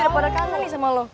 kayak pada kangen nih sama lo